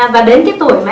và đến cái tuổi mà